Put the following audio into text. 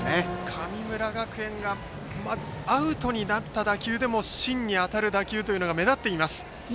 神村学園がアウトになった打球でも芯に当たる打球が目立っています。